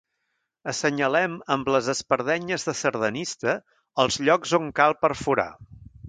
Assenyalem amb les espardenyes de sardanista els llocs on cal perforar.